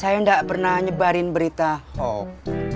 saya tidak pernah nyebarin berita hoax